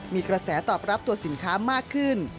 มีกระแสตอบรับตัวสินค้ามากขึ้น